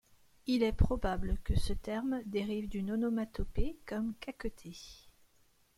Il est probable que ce terme dérive d'une onomatopée, comme caqueter.